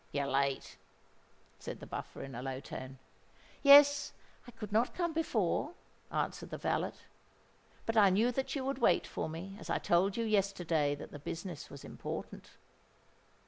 "You're late," said the Buffer, in a low tone. "Yes—I could not come before," answered the valet. "But I knew that you would wait for me, as I told you yesterday that the business was important."